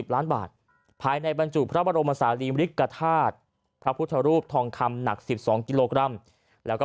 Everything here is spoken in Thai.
ล้านบาทภายในบรรจุพระบรมศาลีมริกฐาตุพระพุทธรูปทองคำหนัก๑๒กิโลกรัมแล้วก็